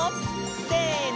せの！